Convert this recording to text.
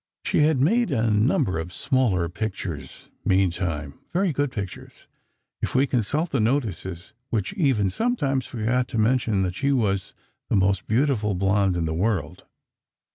She had made a number of smaller pictures, meantime—very good pictures, if we consult the notices, which even sometimes forgot to remember that she was the "most beautiful blonde in the world."